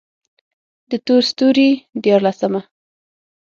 د تور ستوري ديارلسمه: